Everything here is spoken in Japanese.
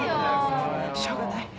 もうしょうがない。